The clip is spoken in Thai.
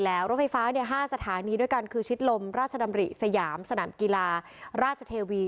ต้นระดุแล่ว๕ด้านไฟฟ้าในสถานีด้วยกันคือชิทลมราชดำริสยามสนามกีฬาราชเทวี